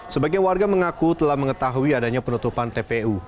sebagian warga mengaku telah mengetahui adanya penutupan tpu